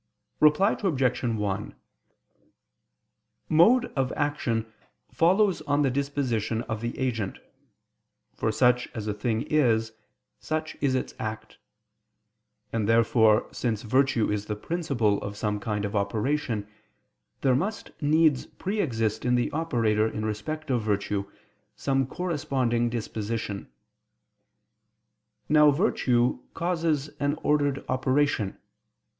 Reply Obj. 1: Mode of action follows on the disposition of the agent: for such as a thing is, such is its act. And therefore, since virtue is the principle of some kind of operation, there must needs pre exist in the operator in respect of virtue some corresponding disposition. Now virtue causes an ordered operation.